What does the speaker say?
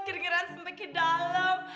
tenggeran sempit ke dalam